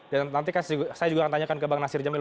dan nanti saya juga akan tanyakan ke bang nasir jamil